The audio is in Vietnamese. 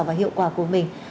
và hiệu quả của mình